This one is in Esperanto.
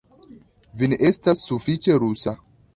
Vi ne estas sufiĉe rusa